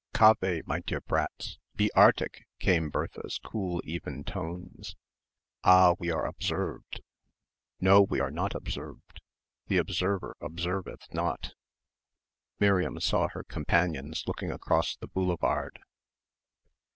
"Cave, my dear brats, be artig," came Bertha's cool even tones. "Ah! we are observed." "No, we are not observed. The observer observeth not." Miriam saw her companions looking across the boulevard.